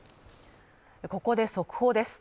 ここで速報です。